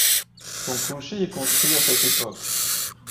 Son clocher est construit à cette époque.